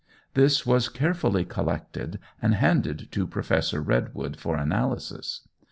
This was carefully collected and handed to Professor Redwood for analysis.